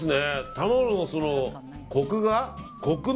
卵のコクが。